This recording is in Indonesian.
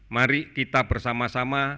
mari kita bersama sama